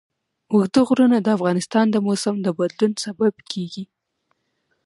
اوږده غرونه د افغانستان د موسم د بدلون سبب کېږي.